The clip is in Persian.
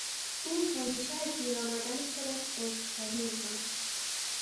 او همیشه از دیر آمدن خودش عذرخواهی میکند.